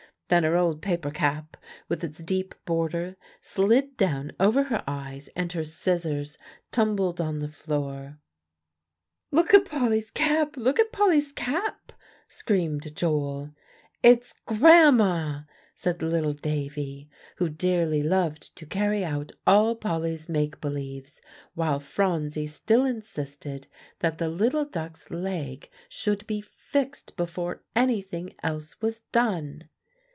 Then her old paper cap, with its deep border, slid down over her eyes, and her scissors tumbled on the floor. "Look at Polly's cap! Look at Polly's cap!" screamed Joel. "It's grandma," said little Davie, who dearly loved to carry out all Polly's make believes, while Phronsie still insisted that the little duck's leg should be fixed before anything else was done.